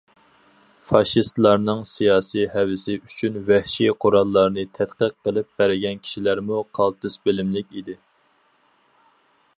فاشىستلارنىڭ سىياسىي ھەۋىسى ئۈچۈن ۋەھشىي قوراللارنى تەتقىق قىلىپ بەرگەن كىشىلەرمۇ قالتىس بىلىملىك ئىدى.